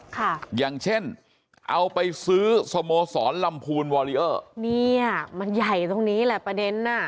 ค่ะอย่างเช่นเอาไปซื้อสโมสรลำพูนวอลิเออร์เนี้ยมันใหญ่ตรงนี้แหละประเด็นน่ะ